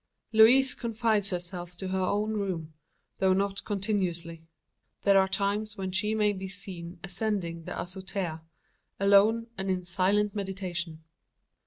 Louise confines herself to her own room, though not continuously. There are times when she may be seen ascending to the azotea alone and in silent meditation.